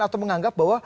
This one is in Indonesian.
atau menganggap bahwa